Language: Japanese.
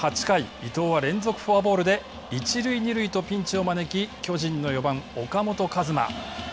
伊藤は連続フォアボールで一塁二塁と、ピンチを招き巨人の４番、岡本和真。